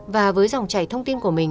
và với dòng chảy thông tin của mình